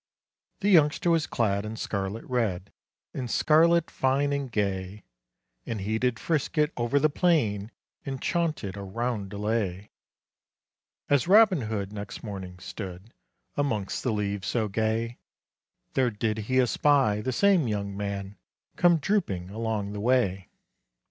The youngster was clad in scarlet red, In scarlet fine and gay; And he did frisk it over the plain, And chaunted a roundelay. As Robin Hood next morning stood Amongst the leaves so gay, There did he espy the same young man Come drooping along the way.